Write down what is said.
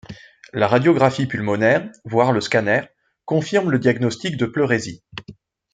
La radiographie pulmonaire, voire le scanner, confirment le diagnostic de pleurésie.